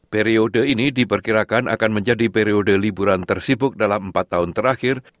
periode ini diperkirakan akan menjadi periode liburan tersibuk dalam empat tahun terakhir